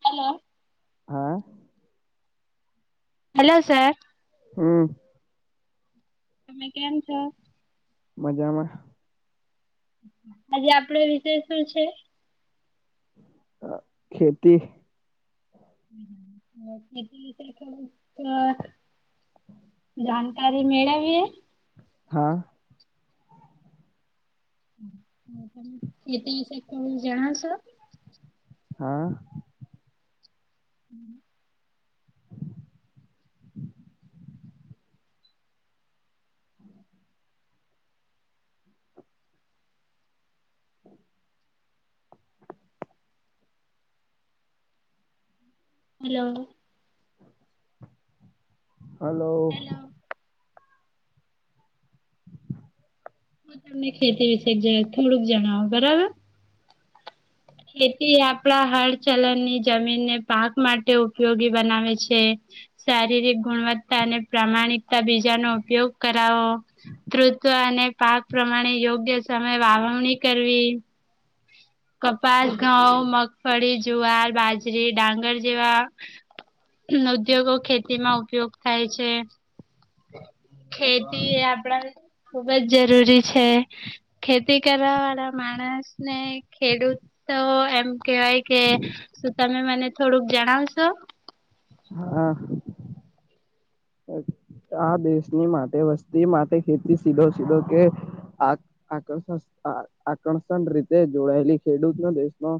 Hello. હા. Hello sir. હમ. તમે કેમ છો? મજામાં. આજે આપડો વિષય શું છે? હ ખેતી. [inaudible] જાનકારી મેળવી? હા. હ તમે [unintelligible] ખેતી વિશે થોડુંક જણાવ સો? હા. હમ. હેલો. હલો. હેલો હું તમને ખેતી વિશેક થોડુંક જણાવો, બરાબર. ખેતી આપડા હરચલન ની જમીન ને પાક માટે ઉપયોગી બનાવે છે. શારીરિક ગુણવત્તા અને પ્રામાણિકતા બીજાનો ઉપયોગ કરાવો, તૃવ અને પાક પ્રમાણે યોગ્ય સમય વાવવણી કરવી. કપાસ, ઘઉં, મગફળી, જુવાર, બાજરી, ડાંગર જેવા ઉદ્યોગો ખેતી માં ઉપયોગ થાય છે. ખેતી આપડા ખુબ જ જરૂરી છે. ખેતી કરવા વાળા માણસ ને ખેડૂત તો એમ કેવાય કે શું તમે મને થોડુંક જણાવશો? હા. આ દેશની માટે વસ્તી માટે ખેતી સીધો સીધો કે આ આકર્ષણ આકર્ષણ રીતે જોડાયેલી ખેડૂત ન દેશનો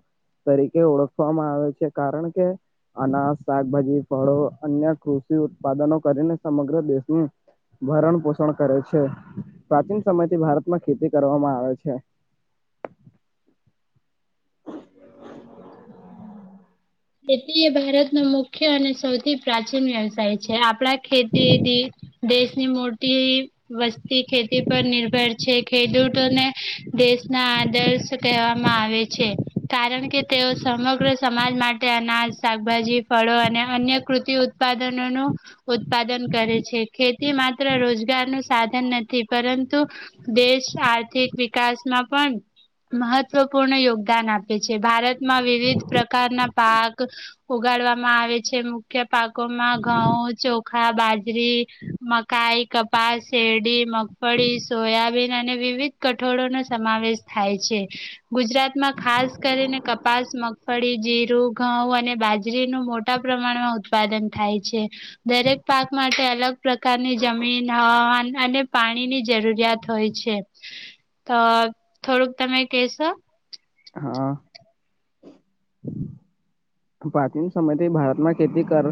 તરીકે ઓળખવામાં આવે છે કારણ કે અનાજ શાકભાજી ફળો અન્ય કૃષિ ઉત્પાદનો કરીને સમગ્ર દેશની ભરણ પોષણ કરે છે પ્રાચીન સમય થી ભારતમાં ખેતી કરવામાં આવે છે. [unintelligible] ખેતી એ ભારતનો મુખ્ય અને સૌથી પ્રાચીન વ્યવસાય છે આપણા ખેતી દેશની મોટી વસ્તી ખેતી પર નિર્ભર છે ખેડૂતોને દેશના આદર્શ કહેવામાં આવે છે કારણ કે તેઓ સમગ્ર સમાજ માટે અનાજ શાકભાજી ફળો અને અન્ય કૃતિ ઉત્પાદનોનું ઉત્પાદન કરે છે ખેતી માત્ર રોજગારનું સાધન નથી પરંતુ દેશ આર્થિક વિકાસમાં પણ મહત્વપૂર્ણ યોગદાન આપે છે ભારતમાં વિવિધ પ્રકારના પાક ઉગાડવામાં આવે છે મુખ્ય પાકોમાં ઘઉં ચોખા બાજરી મકાઈ કપાસ શેરડી મગફળી સોયાબીન અને વિવિધ કઠોળો નો સમાવેશ થાય છે ગુજરાતમાં ખાસ કરીને કપાસ મગફળી જીરું ઘઉં અને બાજરીનું મોટા પ્રમાણમાં ઉત્પાદન થાય છે. દરેક પાક માટે અલગ પ્રકારની જમીન હવામાન અને પાણીની જરૂરિયાત હોય છે તો થોડુંક તમે કેશો હા. પ્રાચીન સમય થી ભારતમાં ખેતી કર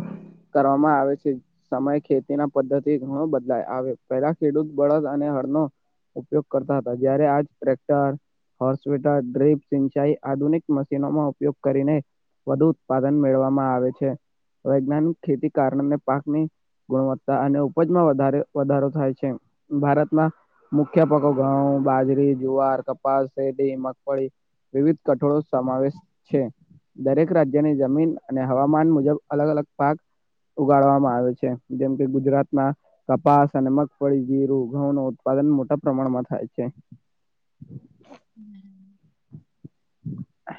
કરવામાં આવે છે. સમય ખેતી ના પદ્ધતિ ઘણો બદલાય આવે પેલા ખેડૂત બળદ અને હરનો ઉપયોગ કરતા હતા જયારે આજ ટ્રેક્ટર હોર્ સ્વેટર ડ્રીપ સિંચાઈ આધુનિક મશીનોમાં ઉપયોગ કરીને વધુ ઉત્પાદન મેળવામાં આવે છે વૈજ્ઞાનિક ખેતી કારણને પાકની ગુણવત્તા અને ઉપજમાં વધારે વધારો થાય છે ભારતમાં મુખ્ય પકો ઘઉં બાજરી જુવાર કપાસ શેડી મગફળી વિવિધ કઠોળો સમાવેશ છે. દરેક રાજ્યની જમીન અને હવામાન મુજબ અલગ અલગ પાક ઉગાડવામાં આવે છે જેમ કે ગુજરાતમાં કપાસ અને મગફળી જીરું ઘઉં ન ઉત્પાદન મોટા પ્રમાણમાં થાય છે. [inaudible] [unintelligible]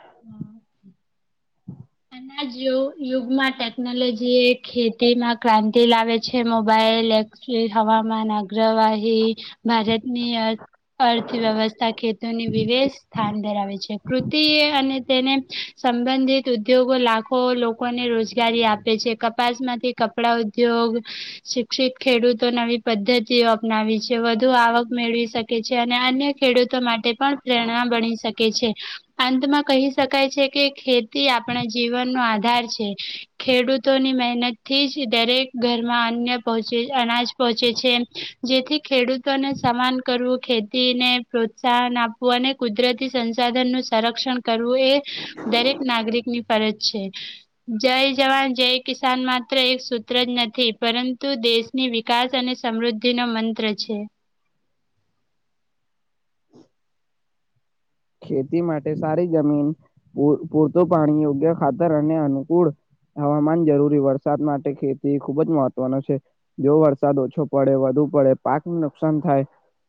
[unintelligible] [unintelligible] આના યુગમાં ટેકનોલોજી એ ખેતીમાં ક્રાંતિ લાવે છે મોબાઈલ હવામાન અગ્રવાહી ભારતની અર્થવ્યવસ્થા ખેતોની વિવેશ સ્થાન ધરાવે છે કૃતિ એ અને તેને સંબંધિત ઉદ્યોગો લાખો લોકોને રોજગારી આપે છે કપાસમાંથી કપડા ઉદ્યોગ શિક્ષિત ખેડૂતો નવી પદ્ધતિઓ અપનાવી છે વધુ આવક મેળવી શકે. છે અને અન્ય ખેડૂતો માટે પણ પ્રેરણા બની શકે છે. અંતમાં કહી શકાય છે કે ખેત આપણા જીવનનો આધાર છે ખેડૂતોની મહેનતથી જ દરેક ઘરમાં અન્ય પહોંચે અનાજ પહોંચે છે જેથી ખેડૂતોને સમાન કરવું. ને પ્રોત્સાહન આપવું અને કુદરતી સંસાધન નું સંરક્ષણ કરવું એ દરેક નાગરિક ની ફરજ છે જય જવાન જય કિસાન માત્ર એક મ જ નથી પરંતુ દેશની વિકાસ અને સમૃદ્ધિ નો મંત્ર છે. ખેતી માટે સારી જમીન પૂરતું પાણી યોગ્ય ખાતર અને અનુકૂળ હવામાન જરૂરી વરસાદ માટે ખેતી ખુબ જ મહત્વનો છે. જો વરસાદ ઓછો પડે વધુ પડે પાક નુ નુકસાન થાય.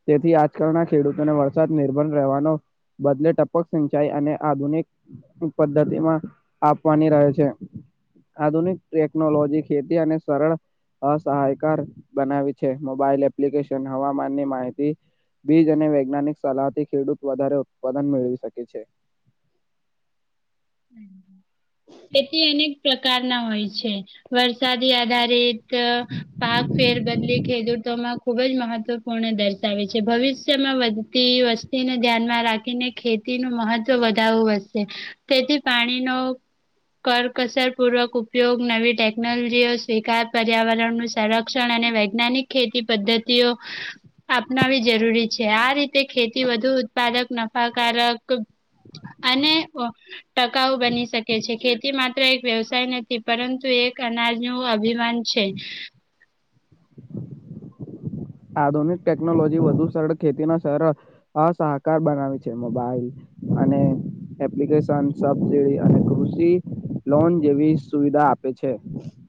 તેથી આજકાલના ખેડૂતોને વરસાદ નિર્ભર રહેવાનો બદલે ટપક સિંચાઈ અને આધુનિક પદ્ધતિમાં આપવાની રહે છે. આધુનિક ટેકનોલોજી ખેતી અને સરળ અસહાયકાર બનાવી છે મોબાઈલ એપ્લિકેશન હવામાનની માહિતી બીજ અને વૈજ્ઞાનિક સલાહથી ખેડૂત વધારે ઉત્પાદન મેળવી શકે છે. તેથી એને. પ્રકારના હોય છે વરસાદી આધારિત પાક ફેર બદલી ખેડૂતોમાં ખુબ જ મહત્વપૂર્ણ દર્શાવે છે ભવિષ્યમાં વધતી વસ્તુ તેને ધ્યાનમાં રાખીને ખેતી નુ મહત્વ વધારું વધશે તેથી પાણીનો કરકસર પૂર્વક ઉપયોગ નવી ટેકનોલોજીઓ સ્વીકાર પર્યાવરણ નુ સરક શિક્ષણ અને વૈજ્ઞાનિક ખેતી પદ્ધતિઓ. અપનાવી જરૂરી છે આ રીતે ખેતી વધુ ઉત્પાદક નફાકારક અને. ટકાઉ બની શકે છે ખેતી માત્ર એક વ્યવસાય નથી પરંતુ એક કરનાર નું અભિમાન છે. આધુનિક ટેકનોલોજી વધુ સરળ ખેતીના સરળ અ સહકાર બનાવી છે મોબાઈલ અને એપ્લિકેશન સબસીડી અને કૃષિ લોન જેવી સુવિધા આપે છે.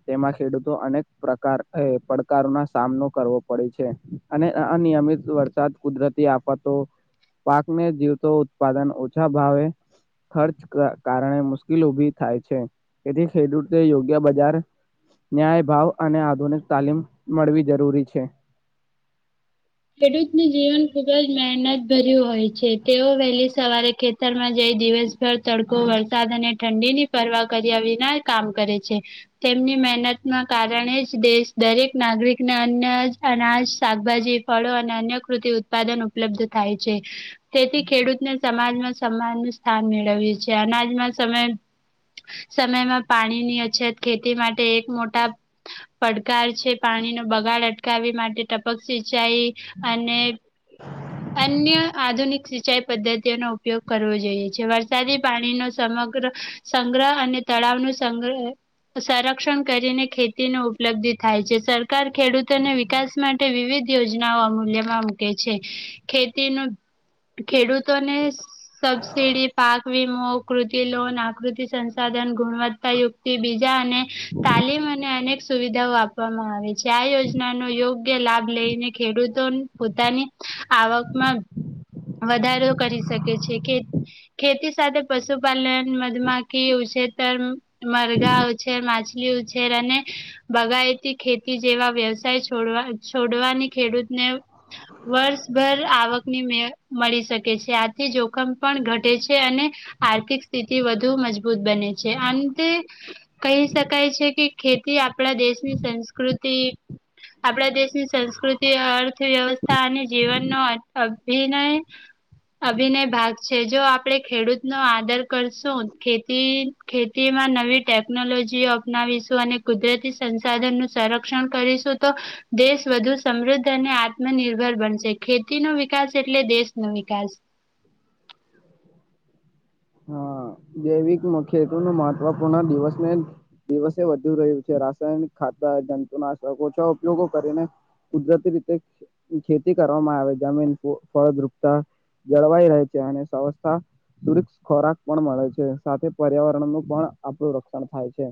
તેમાં ખેડૂતો અનેક પ્રકાર એ પડકાર ના સામનો કરવો પડે છે. છે અને અનિયમિત વરસાદ કુદરતી આફતો પાકને જીવતો ઉત્પાદન ઓછા ભાવે. ખર્ચ ક કારણે મુશ્કેલ ઉભી થાય છે તેથી ખેડૂતે યોગ્ય બજાર ન્યાય ભાવ અને આધુનિક તાલીમ મળવી જરૂરી છે. ખેડૂતને જીવન ખુબ જ મહેનત ભર્યું હોય છે તેઓ વહેલી સવારે ખેત વિસ્તારમાં જઈ દિવસભર તડકો વરસાદ અને ઠંડીની પરવા કર્યા વિના કામ કરે છે. તેમની મહેનત ના કારણે જ દેશ દરેક નાગરિકને અન્ય જ અનાજ શાકભાજી ફળો અને અન્ય કૃતિ ઉત્પાદન ઉપલબ્ધ થાય છે. તેથી ખેડૂતને સમાજમાં સન્માન નુ સ્થાન મેળવ્યું છે અનાજમાં સમય સમયમાં પાણી ની અછત ખેતી માટે એક મોટા પડકાર છે પાણીનો બગાડ અટકાવી માટે ટપક સિંચાઈ અને અન્ય આધુનિક સિંચાઈ પદ્ધતિઓનો ઉપયોગ કરવો જોઈએ છે વરસાદી પાણીનો સમગ્ર સંગ્રહ અને તળાવ નુ સંગ્રહ સંરક્ષણ કરીને ખેતી નો ઉપલબ્ધિ થાય છે સરકાર ખેડૂતોને વિકાસ માટે વિવિધ યોજનાઓ અમૂલ્યમાં મૂકે છે ખેતીનું ખેડૂતોને સબસિડી પાક વીમો કૃતિ લોન આકૃતિ સંસાધન ગુણવત્તાયુક્ત તે બીજા અને તાલીમ અને અનેક સુવિધાઓ આપવામાં આવે છે આ યોજના ના નો યોગ્ય લાભ લઈને ખેડૂતો પોતાની આવકમાં વધારો કરી શકે છે કે. ખેતી સાથે પશુપાલન મધમાખી ઉછેતર મરઘા ઉછેર માછલી ઉછેર અને બગાયતી ખેતી જેવા વ્યવસાય છોડવા છોડવાની ખેડૂતને વર્ષભર આવકની મે. મળી શકે છે આથી જોખમ પણ ઘટે છે અને આર્થિક સ્થિતિ વધ વધૂ મજબૂત બને છે આન તે કહી શકાય છે કે ખેતી આપણા દેશની સંસ્કૃતિ આપણા દેશની સંસ્કૃતિ અર્થવ્યવસ્થા અને જીવનનો અભ ને અભિનય ભાગ છે જો આપડે ખેડૂત નો આદર કરશું ખેતી ખેતીમાં નવી ટેકનોલોજીઓ અપનાવીશું અને કુદરતી સંસાધનનું સંરક્ષણ કરીશું તો દેશ વધુ સમૃદ્ધ અને આત્મનિર્ભર બનશે ખેતી નો વિકાસ એટલે દેશ નો વિકાસ. હા જૈવિક [unintelligible] ખેતુ નું મહત્વપૂર્ણ દિવસને દિવસે વધુ રહ્યું છે રાસાયણિક ખાતાર જંતુ નાશકો ઓછા ઉપયોગો કરીને કુદરતી રીતે ખેતી કરવામાં આવે જમીન ફળદ્રુપતા જળવાઈ રહે છે અને સંવસ્થા [unintelligible] ખોરાક પણ મળે છે સાથે પર્યાવરણનું પણ આપણું રક્ષણ થાય છે.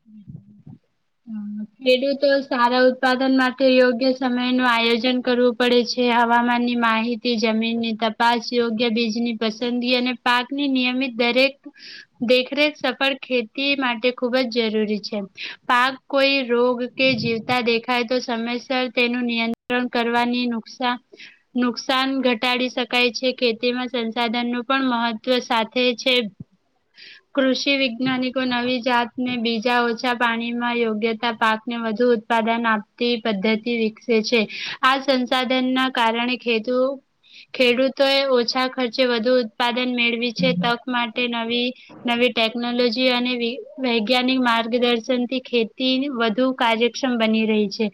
[inaudible] હમ્મ ખેડૂતો સારા ઉત્પાદન માટે યોગ્ય સમયનું આયોજન કરવું પડે છે. હવામાનની માહિતી જમીનની તપાસ યોગ્ય બીજની પસંદગી અને પાકની નિયમિત દરેક દેખરેખ સફળ ખેતી માટે ખુબ જ જરૂરી છે. પાક કોઈ રોગ કે જીવતા દેખાય તો સમયસર તેનું નિયંત્રણ કરવાની નુકસાન નુકસાન ઘટાડી શકાય છે. ખેતીમાં સંસાધનનું પણ મહત્વ સાથે છે. કૃષિવૈજ્ઞાનિકો નવી જાતને બીજા ઓછા પાણી માં યોગ્યતા પાકને વધુ ઉત્પાદન આપતી પદ્ધતિ વિકસે છે. આ સંસાધનના કારણે ખેતુ ખેડૂતોએ ઓછા ખર્ચે વધુ ઉત્પાદન મેળવી છે તક માટે નવી નવી ટેક્નોલોજી અને વૈજ્ઞાનિક માર્ગદર્શનથી ખેતી વધુ કાર્યક્ષમ બની રહી છે.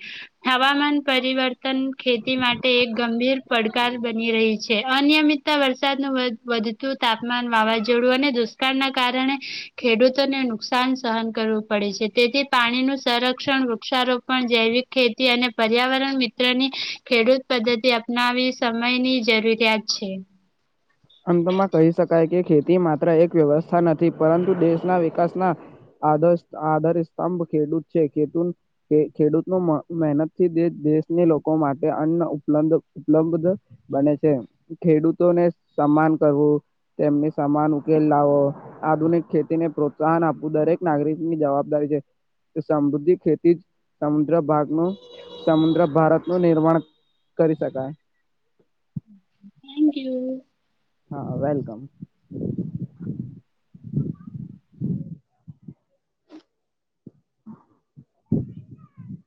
હવામાન પરિવર્તન ખેતી માટે એક ગંભીર પડકાર બની રહી છે. અનિયમિત તા વરસાદનું વધતું તાપમાન વાવાઝોડું અને દુષ્કાળના કારણે ખેડૂતોને નુકસાન સહન કરવું પડે છે. તેથી પાણીનું સંરક્ષણ, વૃક્ષારોપણ, જૈવિક ખેતી અને પર્યાવરણ મિત્રની ખેડૂત પદ્ધતિ અપનાવી સમયની જરૂરિયાત છે. અંતમાં કહી શકાય કે ખેતી માત્ર એક વ્યવસ્થા નથી પરંતુ દેશના વિકાસના આધસ આધારસ્તંભ ખેડૂત છે ખેતૂ ખે ખેડૂતોનું મ મહેનતથી દેશની લોકો માટે અન્ન ઉપલબ્ધ ઉપલબ્ધ બને છે. ખેડૂતોને સન્માન કરવું તેમને સમાન ઉકેલ લાવો આધુનિક ખેતીને પ્રોત્સાહન આપવું દરેક નાગરિકની જવાબદારી છે. સમૃદ્ધિ ખેતી જ સમુદ્ર ભાગનું સમુદ્ર ભારતનું નિર્માણ કરી શકાય. [inaudible] Thank you. હા હા વેલકમ. [inaudible]